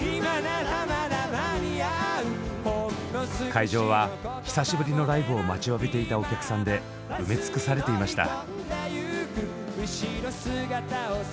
会場は久しぶりのライブを待ちわびていたお客さんで埋め尽くされていました。